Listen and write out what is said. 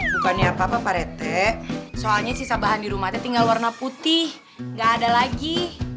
bukannya apa apa pak reti soalnya sisa bahan di rumah teh tinggal warna putih gak ada lagi